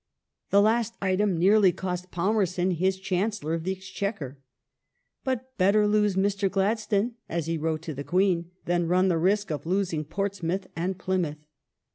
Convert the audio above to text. The last item nearly cost Palmerston his Chancellor of the Exchequer. But "better lose Mr. Gladstone," as he wrote to the Queen, " than run the risk of losing Portsmouth and Plymouth